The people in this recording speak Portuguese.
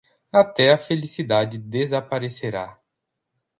Até a felicidade desaparecerá